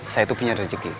saya tuh punya rezeki